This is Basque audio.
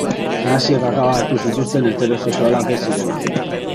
Naziek akabatu zituzten heterosexualak ez zirenak.